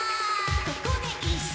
ここで一席！！